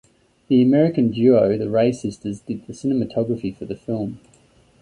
The American duo the Ray Sisters did the cinematography for the film.